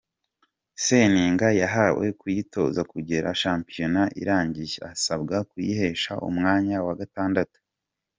Seninga yahawe kuyitoza kugera shampiyona irangiye, asabwa kuyihesha umwanya wa gatandatu.